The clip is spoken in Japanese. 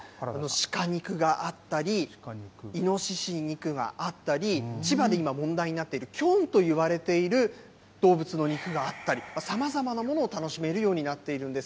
シカ肉があったり、イノシシ肉があったり、千葉で今問題になっている、キョンといわれている動物の肉があったり、さまざまなものを楽しめるようになっているんです。